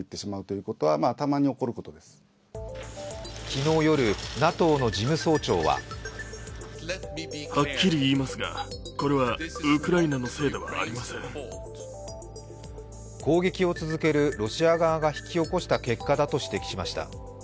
昨日夜、ＮＡＴＯの事務総長は攻撃を続けるロシア側が引き起こした結果だと指摘しました。